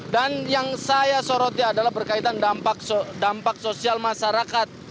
dan yang saya soroti adalah berkaitan dampak sosial masyarakat